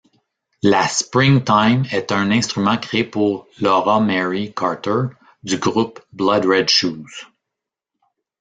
La Springtime est un instrument créé pour Laura-Mary Carter du groupe Blood Red Shoes.